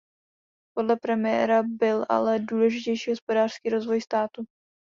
Podle premiéra byl ale důležitější hospodářský rozvoj státu.